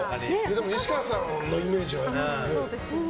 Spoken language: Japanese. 西川さんのイメージはありますね。